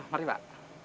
ya mari pak